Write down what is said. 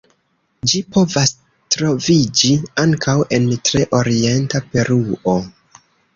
Ĝi povas troviĝi ankaŭ en tre orienta Peruo.